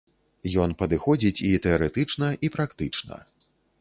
Ён падыходзіць і тэарэтычна, і практычна.